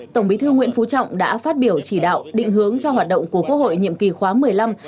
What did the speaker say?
tổng bí thư nguyễn phú trọng đã phát biểu chỉ đạo định hướng cho hoạt động của quốc hội nhiệm kỳ khóa một mươi năm